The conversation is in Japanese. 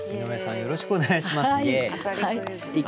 よろしくお願いします。